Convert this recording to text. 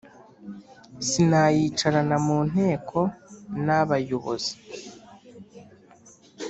Sinayicarana mu nteko naba yobozi